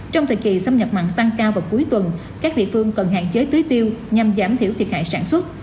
trong thời kỳ xâm nhập mặn tăng cao vào cuối tuần các địa phương cần hạn chế tưới tiêu nhằm giảm thiểu thiệt hại sản xuất